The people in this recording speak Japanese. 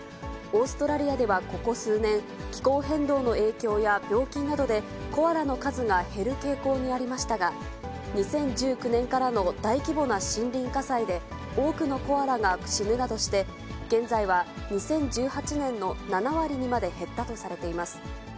オーストラリアではここ数年、気候変動の影響や病気などで、コアラの数が減る傾向にありましたが、２０１９年からの大規模な森林火災で、多くのコアラが死ぬなどして、現在は２０１８年の７割にまで減ったとされています。